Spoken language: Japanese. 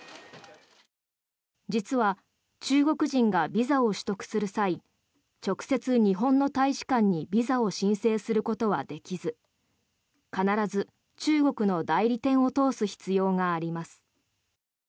実は中国人がビザを取得する際直接、日本の大使館にビザを申請することはできず必ず中国の代理店を通す必要があります。